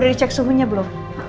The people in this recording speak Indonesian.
udah dicek suhunya belum